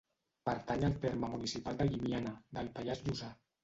Pertany al terme municipal de Llimiana, del Pallars Jussà.